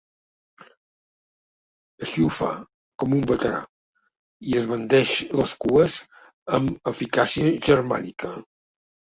Així ho fa, com un veterà, i esbandeix les cues amb eficàcia germànica.